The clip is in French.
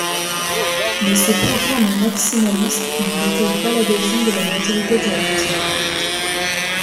Mais ce programme maximaliste ne recueille pas l'adhésion de la majorité du parti.